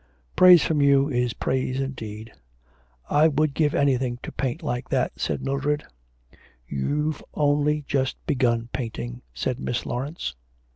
'Praise from you is praise indeed.' 'I would give anything to paint like that,' said Mildred. 'You've only just begun painting,' said Miss Laurence.